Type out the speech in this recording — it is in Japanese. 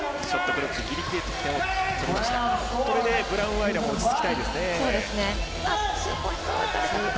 ブラウンアイラも落ち着きたいですね。